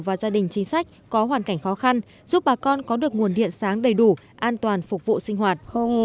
và gia đình chính sách có hoàn cảnh khó khăn giúp bà con có được nguồn điện sáng đầy đủ an toàn phục vụ sinh hoạt